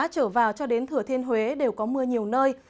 trở vào cho đến thừa thiên huế đều có mưa nhiều nơi